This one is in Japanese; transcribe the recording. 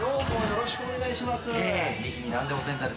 よろしくお願いします。